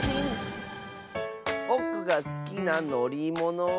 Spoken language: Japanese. ぼくがすきなのりものは。